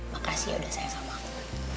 makasih ya udah saya sama aku